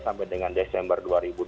sampai dengan desember dua ribu dua puluh